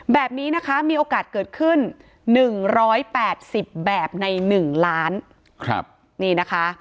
แบบนี้มีโอกาสเกิดขึ้น๑๘๐แบบใน๑ล้าน